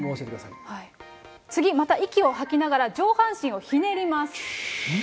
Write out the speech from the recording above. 次また息を吐きながら上半身をひねります。